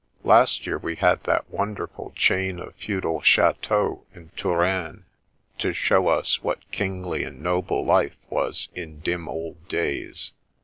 Last year we had that wonderful chain of feudal cha teaux in Touraine, to show us what kingly and noble life was in dim old days.